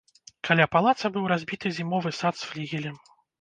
Каля палаца быў разбіты зімовы сад з флігелем.